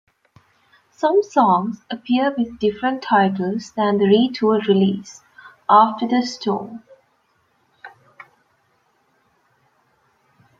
Some songs appear with different titles than the re-tooled release, "After the Storm".